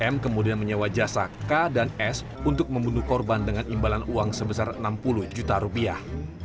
m kemudian menyewa jasa k dan s untuk membunuh korban dengan imbalan uang sebesar enam puluh juta rupiah